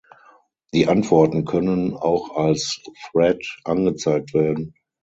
Die Antworten können auch als Thread angezeigt werden.